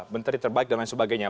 menteri terbaik dan lain sebagainya